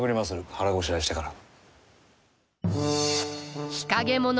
腹ごしらえしてから。